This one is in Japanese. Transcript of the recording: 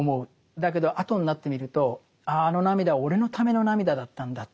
だけど後になってみるとあああの涙は俺のための涙だったんだって。